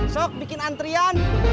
sok bikin antrian